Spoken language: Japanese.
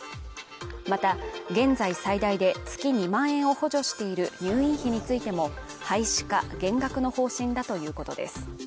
また現在最大で月２万円を補助している入院費についても廃止か減額の方針だということです